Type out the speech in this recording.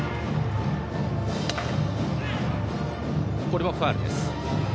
これもファウルです。